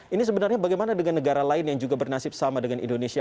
ini sebenarnya bagaimana dengan negara lain yang juga bernasib sama dengan indonesia